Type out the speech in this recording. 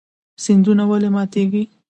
سیندونه ولې ماتیږي؟